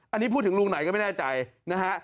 อันนี้พูดถึงลุงไหนก็ไม่แน่ใจนะฮะ